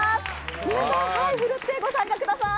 皆さん、ふるってご参加ください！